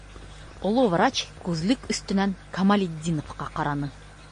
- Оло врач күҙлек өҫтөнән Камалетдиновҡа ҡараны.